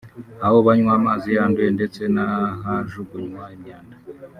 aho banywa amazi yanduye ndetse n’ahajugunywa imyanda